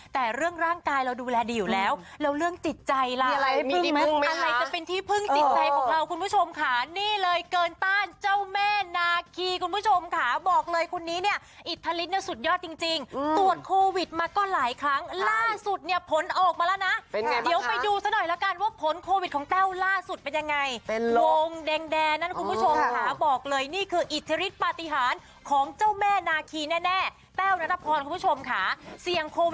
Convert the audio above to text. แต่เรื่องร่างกายเราดูแลดีอยู่แล้วแล้วเรื่องจิตใจอะไรจะเป็นที่พึ่งจิตใจของเราคุณผู้ชมค่ะนี่เลยเกินต้านเจ้าแม่นาคีคุณผู้ชมค่ะบอกเลยคุณนี้เนี่ยอิทธิฤทธิ์เนี่ยสุดยอดจริงจริงตรวจโควิดมาก็หลายครั้งล่าสุดเนี่ยผลออกมาแล้วนะเดี๋ยวไปดูสักหน่อยแล้วกันว่าผลโควิดของแต้วล่าสุดเป็นยังไงวง